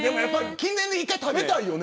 記念に一回食べたいよね。